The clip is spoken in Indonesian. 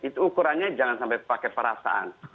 itu ukurannya jangan sampai pakai perasaan